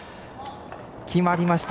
決まりました。